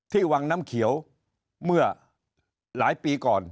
หรือที่วังน้ำเขียวเมื่อหลายปีก่อน